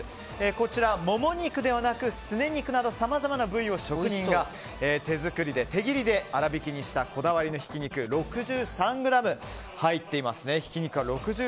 こちら、モモ肉ではなくすね肉などさまざまな部位を職人が手作りで手切りで粗びきにしたこだわりのひき肉６３ｇ入っています。